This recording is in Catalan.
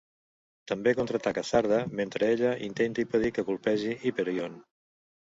També contraataca Zarda mentre ella intenta impedir que colpegi Hyperion.